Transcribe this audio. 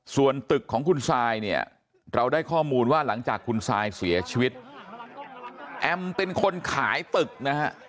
ส่วนตึกของคุณซายเนี่ยเราได้ข้อมูลว่าหลังจากคุณซายเสียชีวิตแอมเป็นคนขายตึกนะฮะ